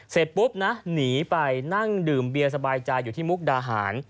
เสร็จปุ๊บนะหนีไปนั่งดื่มเบียร์สบายใจอยู่ที่มุกดาหาร